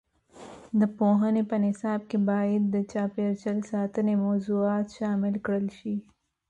د پوهنې په نصاب کې باید د چاپیریال ساتنې موضوعات شامل کړل شي.